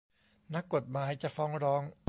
นักกฎหมายจะฟ้องร้อง